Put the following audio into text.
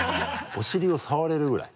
お尻を触れるぐらい？